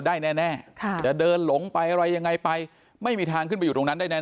ได้แน่จะเดินหลงไปอะไรยังไงไปไม่มีทางขึ้นไปอยู่ตรงนั้นได้แน